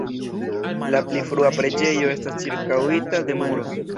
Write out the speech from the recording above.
La pli frua preĝejo estas ĉirkaŭita de muro.